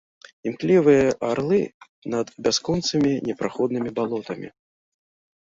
Імклівыя арлы над бясконцымі непраходнымі балотамі.